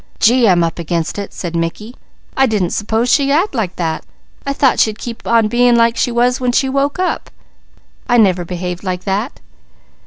"Gee, I'm up against it," said Mickey. "I didn't s'pose she'd act like that! I thought she'd keep on being like when she woke up. I never behaved like that."